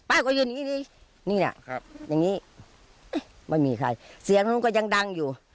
ก็ยืนอย่างงี้ดินี่แหละครับอย่างนี้ไม่มีใครเสียงมันก็ยังดังอยู่